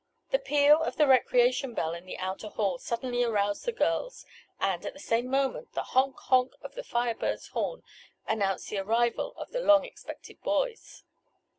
The peal of the recreation bell in the outer hall suddenly aroused the girls, and, at the same moment the "honk honk" of the Fire Bird's horn announced the arrival of the long expected boys.